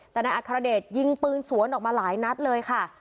แต่นายอัครเดชยิงปืนสวนออกมาหลายนัดเลยค่ะ